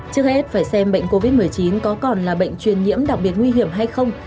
trước hết phải xem bệnh covid một mươi chín có còn là bệnh truyền nhiễm đặc biệt nguy hiểm hay không